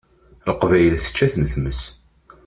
Leqbayel tečča-ten tmes.